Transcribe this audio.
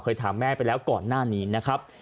ถามแม่ไปแล้วก่อนหน้านี้นะครับ